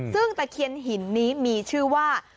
ซึ่งตะเคียนหินนี้มีชื่อว่า